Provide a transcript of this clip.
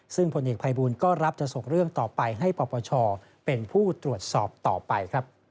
ซึ่งผลเอกภัยบูลก็รับจะส่งเรื่องต่อไปให้ปปชเป็นผู้ตรวจสอบต่อไป